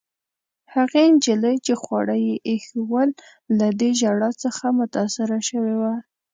هغې نجلۍ، چي خواړه يې ایښوول، له دې ژړا څخه متاثره شوې وه.